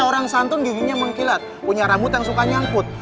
orang santun giginya mengkilat punya rambut yang suka nyangkut